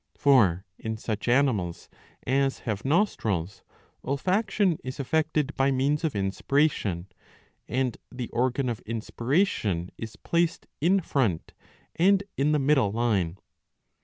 For in such animals as have nostrils olfaction is effected by means of inspiration,^* and the organ of inspiration is placed in front and in the middle line.